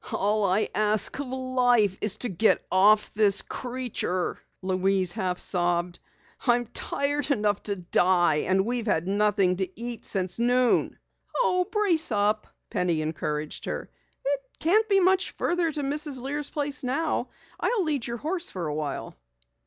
"All I ask of life is to get off this creature!" Louise half sobbed. "I'm tired enough to die! And we've had nothing to eat since noon." "Oh, brace up," Penny encouraged her. "It can't be much farther to Mrs. Lear's place. I'll lead your horse for awhile."